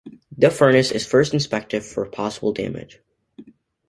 The furnace is first inspected for possible damage.